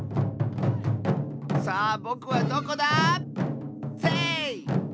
さあぼくはどこだ⁉せい！